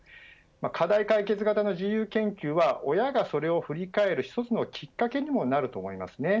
課題解決型の自由研究は親がそれを振り返る一つのきっかけにもなると思います。